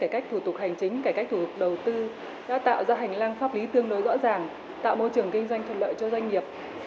các thủ tục hành chính cải cách thủ tục đầu tư đã tạo ra hành lang pháp lý tương đối rõ ràng tạo môi trường kinh doanh thuận lợi cho doanh nghiệp